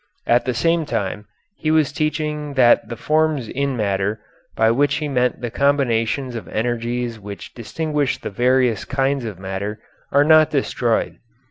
At the same time he was teaching that the forms in matter by which he meant the combinations of energies which distinguish the various kinds of matter are not destroyed.